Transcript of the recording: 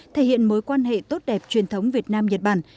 thể hiện mối quan hệ tốt đẹp truyền thống việt nam nhật bản